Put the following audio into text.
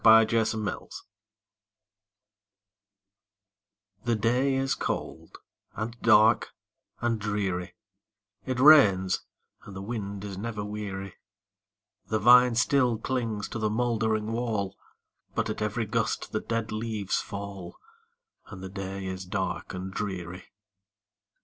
THE RAINY DAY The day is cold, and dark, and dreary; It rains, and the wind is never weary; The vine still clings to the mouldering wall, But at every gust the dead leaves fall, And the day is dark and dreary!